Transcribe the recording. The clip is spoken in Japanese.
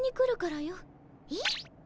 えっ？